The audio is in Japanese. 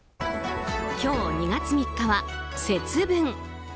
今日、２月３日は節分。